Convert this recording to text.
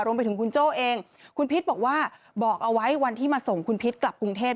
รวมไปถึงคุณโจ้เองคุณพิษบอกว่าบอกเอาไว้วันที่มาส่งคุณพิษกลับกรุงเทพ